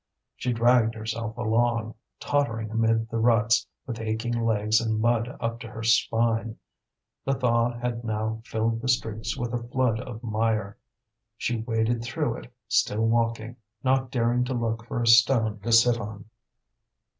She dragged herself along, tottering amid the ruts, with aching legs and mud up to her spine. The thaw had now filled the streets with a flood of mire. She waded through it, still walking, not daring to look for a stone to sit on.